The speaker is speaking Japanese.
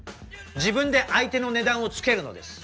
自分で相手の値段をつけるのです。